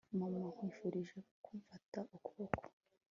mama, nkwifurije kumfata ukuboko